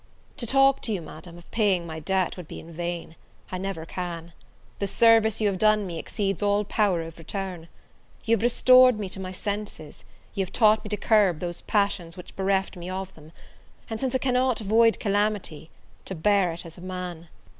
To talk to you, Madam, of paying my debt, would be vain; I never can! the service you have done me exceeds all power of return: you have restored me to my senses; you have taught me to curb those passions which bereft me of them; and, since I cannot avoid calamity, to bear it as a man!